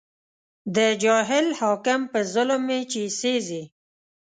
د جاهل حاکم په ظلم مې چې سېزې